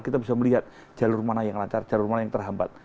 kita bisa melihat jalur mana yang lancar jalur mana yang terhambat